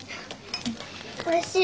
おいしい。